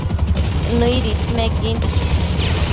Nëid ismequin